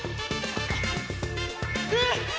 えっ！